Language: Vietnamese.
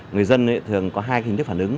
người dân thường có hai hình thức phản ứng